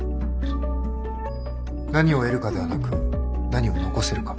何を得るかではなく何を残せるか。